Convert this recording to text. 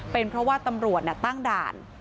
เป็นเพราะว่าตำรวจตั้งด่าน